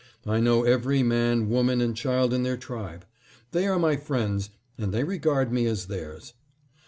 I know every man, woman, and child in their tribe. They are my friends and they regard me as theirs.